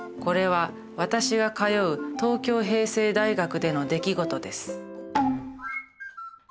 これは私が通う東京平成大学での出来事です。